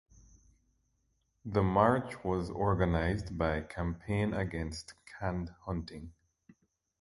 The march was organized by Campaign Against Canned Hunting.